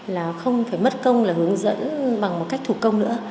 là không phải mất công là hướng dẫn bằng một cách thủ công nữa